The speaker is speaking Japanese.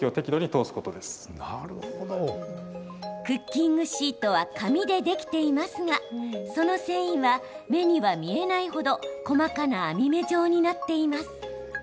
クッキングシートは紙でできていますがその繊維は、目には見えないほど細かな網目状になっています。